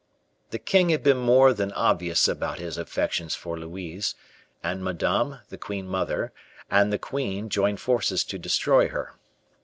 The king has been more than obvious about his affections for Louise, and Madame, the queen mother, and the queen join forces to destroy her.